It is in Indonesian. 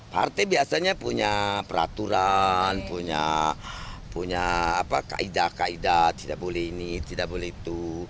partai biasanya punya peraturan punya kaedah kaedah tidak boleh ini tidak boleh itu